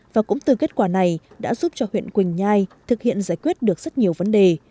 và cũng từ kết quả này đã giúp cho huyện quỳnh nhai thực hiện giải quyết được rất nhiều vấn đề